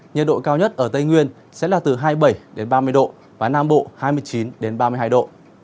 nhiệt độ cao nhất ở tây nguyên sẽ là từ hai mươi bảy ba mươi độ và nam bộ hai mươi chín ba mươi hai độ